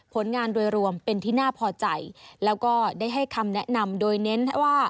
ผลงานโดยรวมเป็นที่น่าพอใจแล้วก็ได้ให้คำแนะนำโดยเน้นว่า